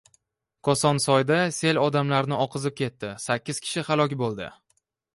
Kosonsoyda sel odamlarni oqizib ketdi, sakkizkishi halok bo‘ldi